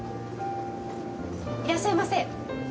いらっしゃいませ。